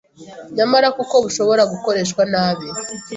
Nyamara kuko bushobora gukoreshwa nabi